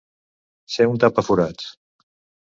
Ser un tapaforats.